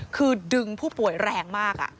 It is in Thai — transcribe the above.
คือดึงผู้ป่วยแรงมาก